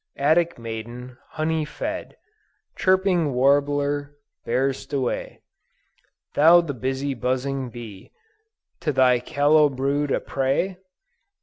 "Attic maiden, honey fed, Chirping warbler, bear'st away, Thou the busy buzzing bee, To thy callow brood a prey?